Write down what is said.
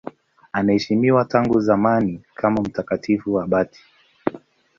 Anaheshimiwa tangu zamani kama mtakatifu abati.